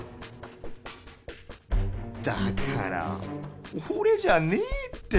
だからおれじゃねえって！